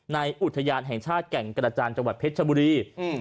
อุทยานแห่งชาติแก่งกระจานจังหวัดเพชรชบุรี